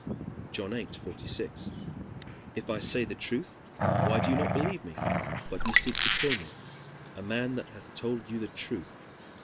John viii. 46: "If I say the truth, why do ye not believe me? But ye seek to kill me, a man that hath told you the truth.